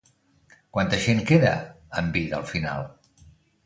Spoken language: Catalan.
Quanta gent queda amb vida al final?